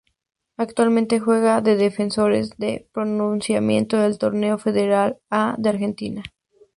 Actualmente juega en Defensores de Pronunciamiento del Torneo Federal A de Argentina.